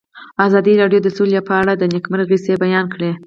ازادي راډیو د سوله په اړه د نېکمرغۍ کیسې بیان کړې.